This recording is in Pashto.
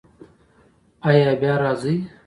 ایا بیا راځئ؟